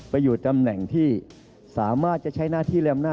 อยู่ตำแหน่งที่สามารถจะใช้หน้าที่และอำนาจ